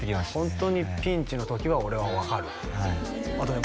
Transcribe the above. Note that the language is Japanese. ホントにピンチの時は俺は分かるってあとね